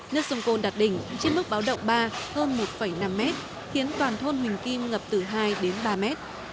nước sông côn đạt đỉnh trên mức báo động ba hơn một năm mét khiến toàn thôn huỳnh kim ngập từ hai đến ba mét